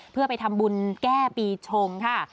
เพื่อไปทำบุญแก้ปีชงค่ะ